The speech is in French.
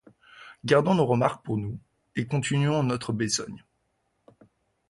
Gardons nos remarques pour nous et continuons notre besogne